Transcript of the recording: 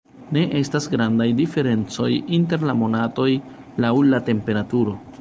Ne estas grandaj diferencoj inter la monatoj laŭ la temperaturo.